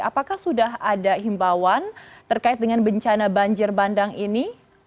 apakah sudah ada himbauan terkait dengan bencana banjir bandang ini